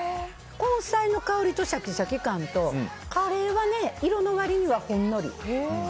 根菜の香りとシャキシャキ感とカレーは色の割にはほんのり。